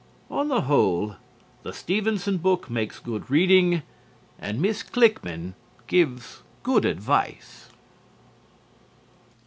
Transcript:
On the whole, the Stevenson book makes good reading and Miss Klickmann gives good advice.